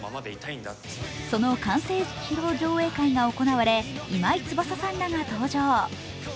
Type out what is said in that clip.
その完成披露上映会が行われ、今井翼さんらが登場。